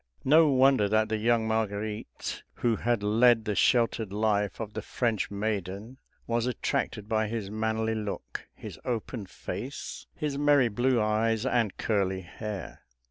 No wonder that the young Marguerite, who had led the sheltered life of the French maiden, was attracted by his manly look, his open face, his merry blue eyes, and curly hair.